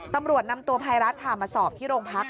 ตำรวจนำตัวภัยรัฐค่ะมาสอบที่โรงพัก